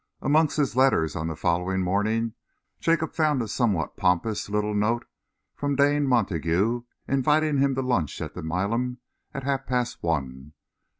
Amongst his letters, on the following morning, Jacob found a somewhat pompous little note from Dane Montague, inviting him to lunch at the Milan at half past one.